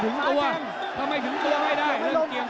ตอนนี้มันถึง๓